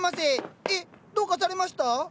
えっどうかされました？